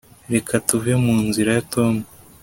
reka tuve mu nzira ya tom